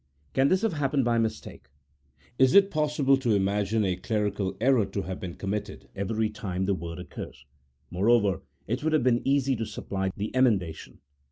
Can this have happened by mistake? Is it possible to imagine a clerical error to have been committed every time the word occurs ? Moreover, it would have been easy to supply the emendation.